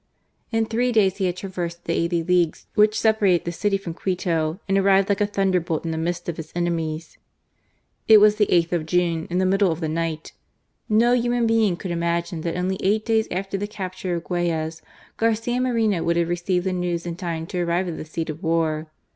In three days he had traversed the eighty leagues which separated that city from Quito, and arrived like a thunderbolt in the midst of his enemies. THE FIGHT OF J AM BELL 159 It was the 8th of June, in the middle of the night. No human being could imagine that only eight days after the capture of the Guayas, Garcia Moreno would have received the news in time to arrive at the seat of war.